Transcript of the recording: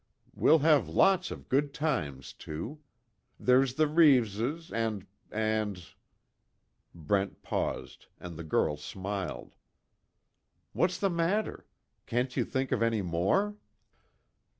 We'll have lots of good times, too. There's the Reeves' and and " Brent paused, and the girl smiled, "What's the matter? Can't you think of any more?"